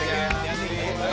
udah bantuin ya